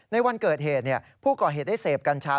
ในวันเกิดเหตุผู้ก่อเหตุได้เสพกัญชา